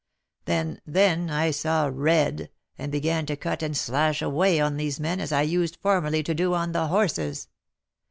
Then, then, I saw red, and began to cut and slash away on these men as I used formerly to do on the horses.